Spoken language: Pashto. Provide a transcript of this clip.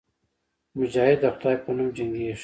مجاهد د خدای په نوم جنګېږي.